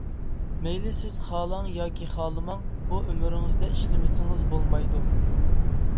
مەيلى سىز خالاڭ ياكى خالىماڭ، بۇ ئۆمرىڭىزدە ئىشلىمىسىڭىز بولمايدۇ.